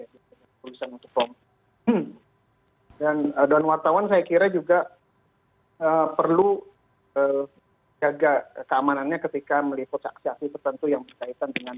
dan wartawan saya kira juga perlu jaga keamanannya ketika meliput aksi aksi tertentu yang berkaitan dengan